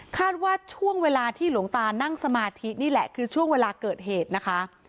คาดว่าช่วงเวลาที่หลวงตานั่งสมาธินี่แหละคือช่วงเวลาเกิดเหตุนะคะ